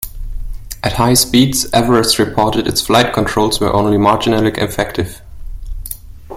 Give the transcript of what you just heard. At high speeds, Everest reported its flight controls were only marginally effective.